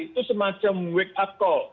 itu semacam wake up call